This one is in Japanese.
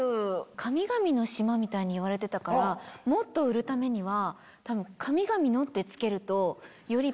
神々の島みたいに言われてたからもっと売るためには。